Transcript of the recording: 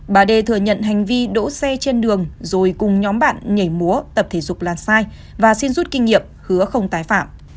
bà đê thừa nhận hành vi đỗ xe trên đường rồi cùng nhóm bạn nhảy múa tập thể dục là sai và xin rút kinh nghiệm hứa không tái phạm